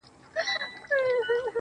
دا ستا ښكلا ته شعر ليكم.